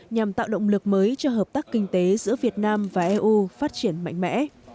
nhằm tạo động lực mới cho hợp tác kinh tế giữa việt nam và eu phát triển mạnh mẽ